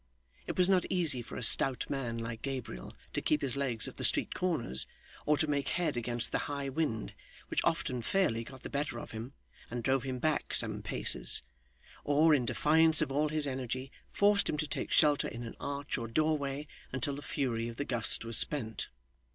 It was not easy for a stout man like Gabriel to keep his legs at the street corners, or to make head against the high wind, which often fairly got the better of him, and drove him back some paces, or, in defiance of all his energy, forced him to take shelter in an arch or doorway until the fury of the gust was spent.